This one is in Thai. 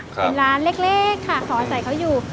เป็นร้านเล็กค่ะขออาศัยเขาอยู่